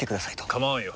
構わんよ。